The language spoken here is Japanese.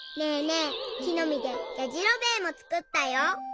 えきのみでやじろべえもつくったよ。